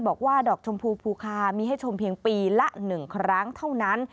บอกว่าดอกชมพูภูคามีให้ชมเพียงปีละ๑ครั้งเท่านั้น